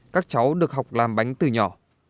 các cháu được học làm bánh từ nhỏ